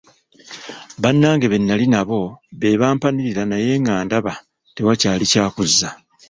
Bannange be nnali nabo be bampanirira naye nga ndaba tewakyali kya kuzza.